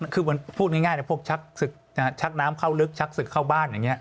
คือมันพูดง่ายพวกชักศึกชักน้ำเข้าลึกชักศึกเข้าบ้านอย่างนี้